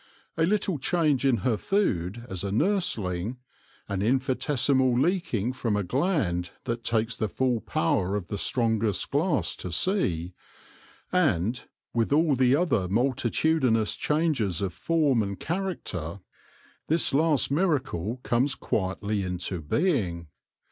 A little change in her food as a nursling, an infinitesimal leaking from a gland that takes the full power of the strongest glass to see, and, with all the other multitudinous changes of iao THE LORE OF THE HONEY BEE form and character, this last miracle comes quietly into being.